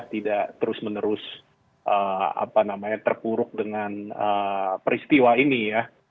tidak terus menerus terpuruk dengan peristiwa ini ya